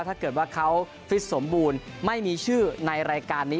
ถ้าเกิดว่าเขาฟิตสมบูรณ์ไม่มีชื่อในรายการนี้